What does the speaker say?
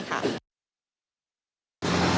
ก็รถค่ะทำให้รถติดน้อยลงค่ะ